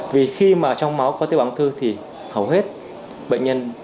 vì khi mà trong máu có tế bào ung thư thì hầu hết bệnh nhân